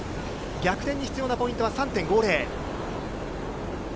逆手に必要なポイントは３．５０。